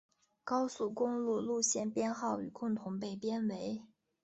高速公路路线编号与共同被编为。